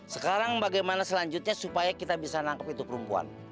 sekarang bagaimana selanjutnya supaya kita bisa nangkep itu perempuan